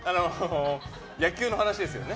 野球の話ですよね？